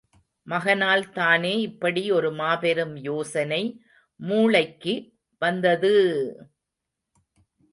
மகனால்தானே இப்படி ஒரு மாபெரும் யோசனை மூளைக்கு வந்தது!